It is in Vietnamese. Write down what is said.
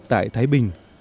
tại thái bình